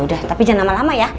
udah tapi jangan lama lama ya